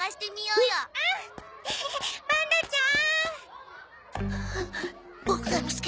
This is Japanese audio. うん！